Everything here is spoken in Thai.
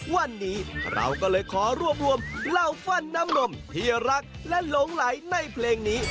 วันนี้เราก็เลยขอรวบรวมเหล้าฟั่นน้ำนมที่รักและหลงไหลในเพลงนี้